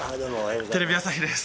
テレビ朝日です。